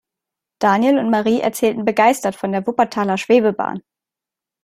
Daniel und Marie erzählten begeistert von der Wuppertaler Schwebebahn.